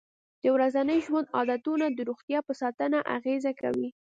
د ورځني ژوند عادتونه د روغتیا په ساتنه اغېزه کوي.